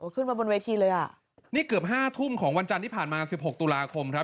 ขึ้นมาบนเวทีเลยอ่ะนี่เกือบห้าทุ่มของวันจันทร์ที่ผ่านมาสิบหกตุลาคมครับ